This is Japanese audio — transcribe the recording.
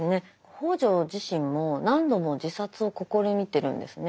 北條自身も何度も自殺を試みてるんですね。